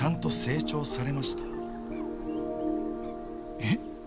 えっ？